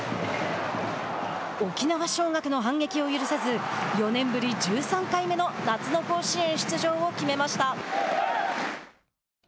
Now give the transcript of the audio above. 沖縄尚学の反撃を許さず４年ぶり１３回目の夏の甲子園出場を決めました。